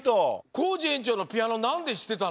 コージえんちょうのピアノなんでしってたの？